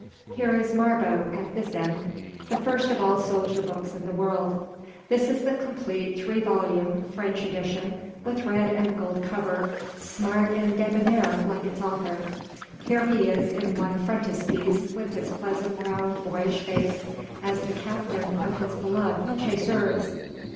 Here is Marbot at this end—the first of all soldier books in the world. This is the complete three volume French edition, with red and gold cover, smart and débonnaire like its author. Here he is in one frontispiece with his pleasant, round, boyish face, as a Captain of his beloved Chasseurs.